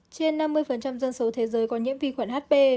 trên năm mươi dân số thế giới có nhiễm vi khuẩn hp